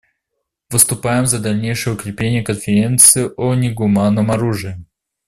Выступаем за дальнейшее укрепление Конвенции о негуманном оружии.